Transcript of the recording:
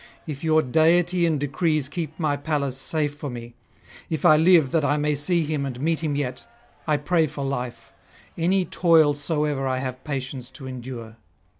If your deity and decrees keep my Pallas safe for me, if I live that I may see him and meet him yet, I pray for life; any toil soever I have patience to endure.